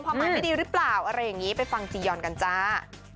หมายไม่ดีหรือเปล่าอะไรอย่างนี้ไปฟังจียอนกันจ้า